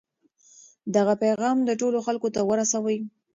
دغه پیغام ټولو خلکو ته ورسوئ.